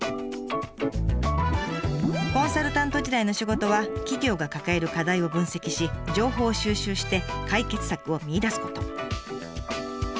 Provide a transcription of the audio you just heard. コンサルタント時代の仕事は企業が抱える課題を分析し情報を収集して解決策を見いだすこと。